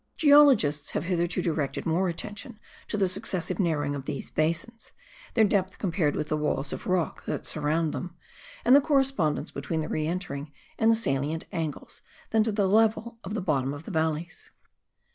Geologists have hitherto directed more attention to the successive narrowing of these basins, their depth compared with the walls of rock that surround them, and the correspondence between the re entering and the salient angles, than to the level of the bottom of the valleys.